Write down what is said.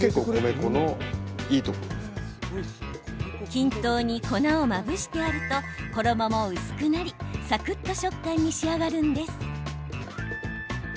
均等に粉をまぶしてあると衣も薄くなりサクっと食感に仕上がるんです。